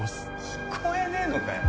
聞こえねえのかよ？